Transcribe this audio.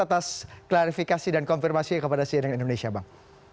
atas klarifikasi dan konfirmasi kepada cnn indonesia bang